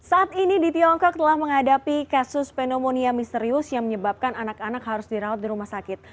saat ini di tiongkok telah menghadapi kasus pneumonia misterius yang menyebabkan anak anak harus dirawat di rumah sakit